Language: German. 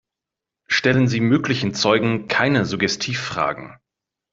Stellen Sie möglichen Zeugen keine Suggestivfragen.